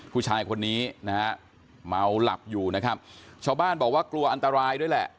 ผู้ชายคนนี้นะฮะเมาหลับอยู่นะครับชาวบ้านบอกว่ากลัวอันตรายด้วยแหละ